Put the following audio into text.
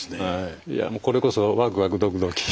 いやもうこれこそワクワクドキドキ。